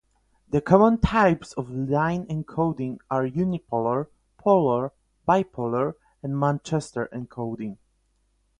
The common types of line encoding are unipolar, polar, bipolar, and Manchester encoding.